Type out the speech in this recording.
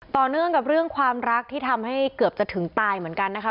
ต่อเนื่องกับเรื่องความรักที่ทำให้เกือบจะถึงตายเหมือนกันนะคะ